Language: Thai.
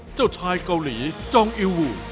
เจ้าชายเกาหลีจองอิลวู